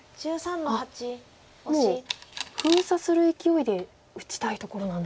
あっもう封鎖するいきおいで打ちたいところなんですね中央は。